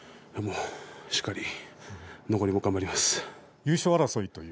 しっかり残りも頑張ります。